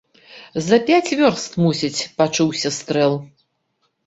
За пяць вёрст, мусіць, пачуўся стрэл.